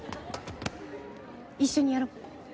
一緒にやろう！